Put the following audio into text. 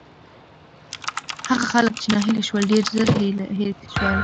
هغه خلک چې ناهیلي شول، ډېر ژر هېر شول.